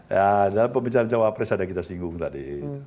dalam pembicaraan cawapres ada kita singgung tadi